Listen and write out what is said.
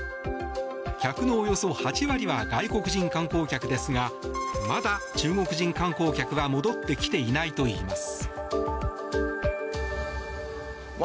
客のおよそ８割は外国人観光客ですがまだ中国人観光客は戻ってきていないといいます。